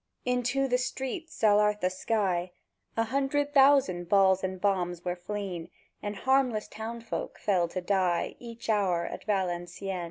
Into the streets, ath'art the sky, A hundred thousand balls and bombs were fleën; And harmless townsfolk fell to die Each hour at Valencieën!